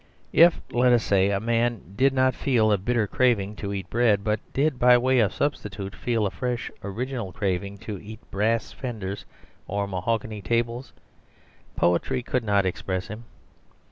If, let us say, a man did not feel a bitter craving to eat bread; but did, by way of substitute, feel a fresh, original craving to eat brass fenders or mahogany tables, poetry could not express him.